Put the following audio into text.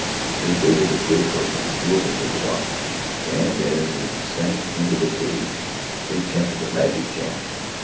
They baited a great hook and threw it into the water, and as it sank into the cave they chanted a magic chant.